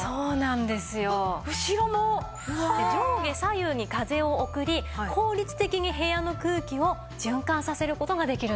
上下左右に風を送り効率的に部屋の空気を循環させる事ができるんです。